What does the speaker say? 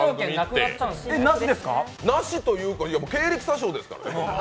なしいというか経歴詐称ですからね。